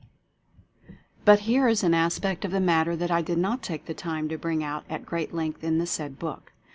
But here is an aspect of the matter that I did not take the time to bring out at great length in the said book.